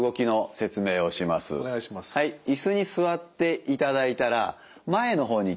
はい椅子に座っていただいたら前の方にいきます。